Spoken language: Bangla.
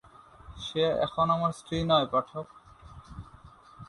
সে এখন আমার স্ত্রী নয় পাঠক।